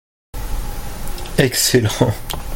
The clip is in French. Excellent